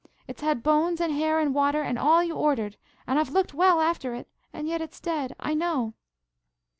It's had bones, and hair, and water, and all you ordered, and I've looked well after it, and yet it's dead, I know!"